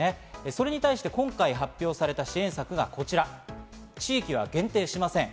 それに対して今回発表された支援策がこちら、地域は限定しません。